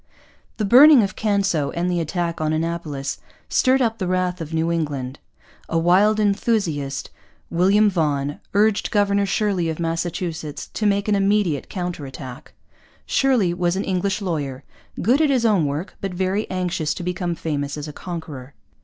The burning of Canso and the attack on Annapolis stirred up the wrath of New England. A wild enthusiast, William Vaughan, urged Governor Shirley of Massachusetts to make an immediate counter attack. Shirley was an English lawyer, good at his own work, but very anxious to become famous as a conqueror.